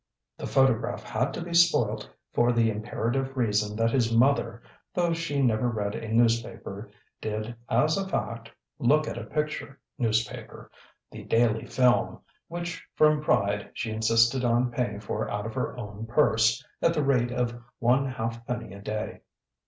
The photograph had to be spoilt for the imperative reason that his mother, though she never read a newspaper, did as a fact look at a picture newspaper, The Daily Film, which from pride she insisted on paying for out of her own purse, at the rate of one halfpenny a day.